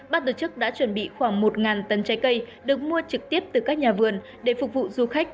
bác tổ chức đã chuẩn bị khoảng một tấn trái cây được mua trực tiếp từ các nhà vườn để phục vụ du khách